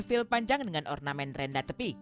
feel panjang dengan ornamen rendah tepi